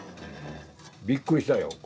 びっくりしたよ